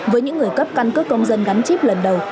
với những người cấp căn cước công dân gắn chip lần đầu